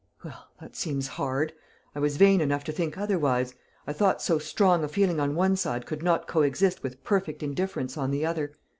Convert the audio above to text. "Well, that seems hard. I was vain enough to think otherwise. I thought so strong a feeling on one side could not co exist with perfect indifference on the other.